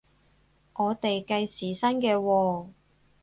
我哋計時薪嘅喎？